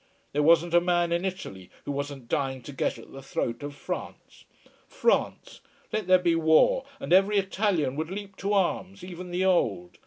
There wasn't a man in Italy who wasn't dying to get at the throat of France. France! Let there be war, and every Italian would leap to arms, even the old.